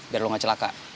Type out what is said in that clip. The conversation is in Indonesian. biar lo gak celaka